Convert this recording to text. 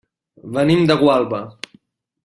Venim de Gualba.